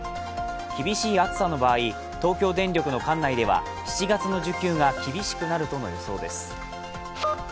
厳しい暑さの場合東京電力の管内では７月の需給が厳しくなるとの予想です。